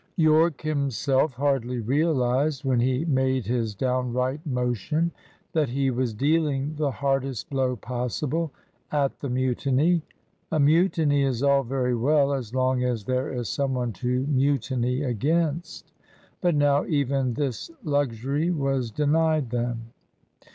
Yorke himself hardly realised, when he made his downright motion, that he was dealing the hardest blow possible at the mutiny. A mutiny is all very well as long as there is some one to mutiny against. But now, even this luxury was denied them.